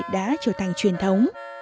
đã trở thành truyền thống